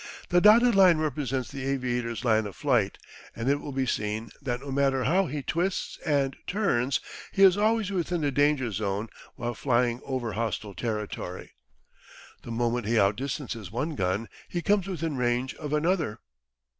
The dotted line represents the aviator's line of flight, and it will be seen that no matter how he twists and turns he is always within the danger zone while flying over hostile territory. The moment he outdistances one gun he comes within range of another.